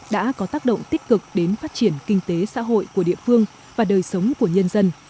đã có tác động tích cực đến phát triển kinh tế xã hội của địa phương và đời sống của nhân dân